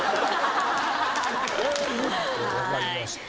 分かりました。